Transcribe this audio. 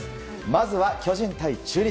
まずは巨人対中日。